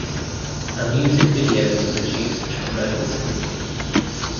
A music video was produced to promote the single.